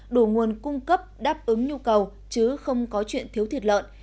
đủ nguồn cung cấp đáp ứng nhu cầu chứ không có chuyện thiếu thịt lợn